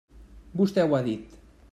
Vostè ho ha dit.